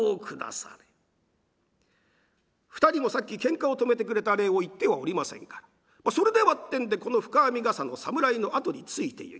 ２人もさっきケンカを止めてくれた礼を言ってはおりませんからそれではってんでこの深編みがさの侍の後についていきます。